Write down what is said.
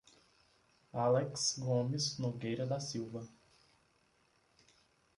Alex Gomes Nogueira da Silva